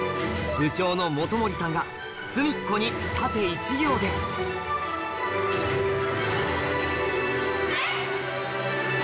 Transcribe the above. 部長の元森さんが隅っこに縦１行ではい！